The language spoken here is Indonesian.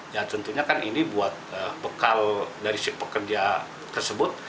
ya tentunya kan ini buat bekal dari si pekerja tersebut